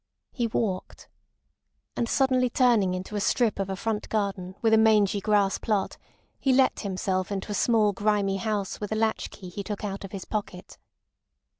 He walked. And suddenly turning into a strip of a front garden with a mangy grass plot, he let himself into a small grimy house with a latch key he took out of his pocket.